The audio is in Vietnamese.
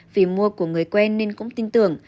vì mua của người quen nên cũng tin tưởng